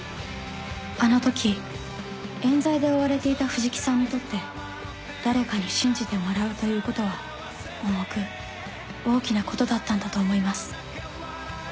あの時えん罪で追われていた藤木さんにとって誰かに信じてもらうということは重く大きなことだったんだと思います